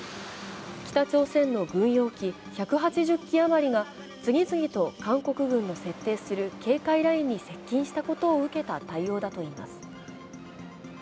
北朝鮮の軍用機１８０機余りが次々と韓国軍の設定する警戒ラインに接近したことを受けた対応だといいます。